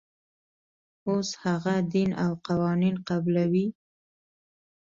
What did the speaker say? اوس هغه دین او قوانین قبلوي.